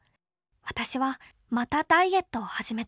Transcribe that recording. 私はまたダイエットを始めた。